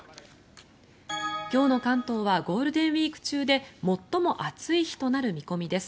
今日の関東はゴールデンウィーク中で最も暑い日となる見込みです。